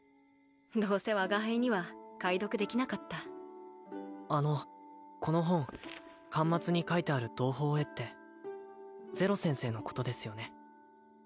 どうせ我が輩には解読できなかったあのこの本巻末に書いてある同胞へってゼロ先生のことですよね？